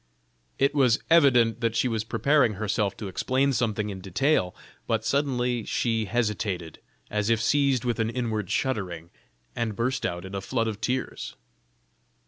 It was evident that she was preparing herself to explain something in detail, but suddenly she hesitated, as if seized with an inward shuddering, and burst out into a flood of tears.